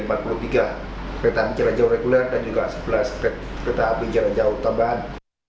ketahuan kereta bicara jauh reguler dan juga sebelas kereta api jauh tambahan